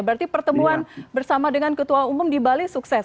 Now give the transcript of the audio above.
berarti pertemuan bersama dengan ketua umum di bali sukses